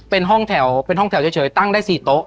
เป็นห้องแถวเฉยตั้งได้๔โต๊ะ